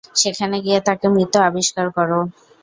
সেখানে গিয়ে তাকে মৃত আবিষ্কার করো।